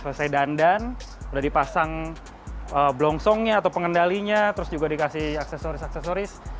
selesai dandan udah dipasang blongsongnya atau pengendalinya terus juga dikasih aksesoris aksesoris